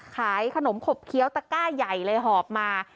ขายขนมขบเคี้ยวตะก้าใหญ่เลยหอบมา